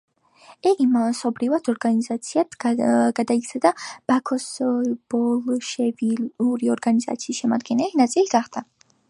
იგი მასობრივ ორგანიზაციად გადაიქცა და ბაქოს ბოლშევიკური ორგანიზაციის შემადგენელი ნაწილი გახდა.